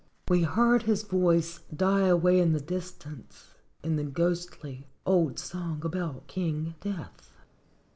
'" We heard his voice die away in the distance in the ghostly old song about King Death.